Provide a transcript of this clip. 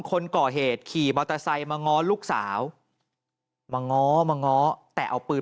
คนก่อเหตุขี่มอเตอร์ไซค์มาง้อลูกสาวมาง้อมาง้อแต่เอาปืน